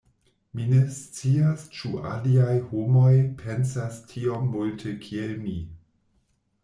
Mi ne scias ĉu aliaj homoj pensas tiom multe kiel mi.